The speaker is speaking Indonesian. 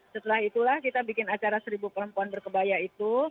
setelah itulah kita bikin acara seribu perempuan berkebaya itu